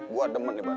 gua demen nih bari